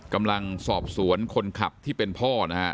กำลังสอบสวนคนขับที่เป็นพ่อนะฮะ